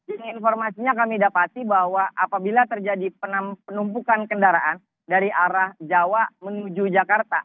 ini informasinya kami dapati bahwa apabila terjadi penumpukan kendaraan dari arah jawa menuju jakarta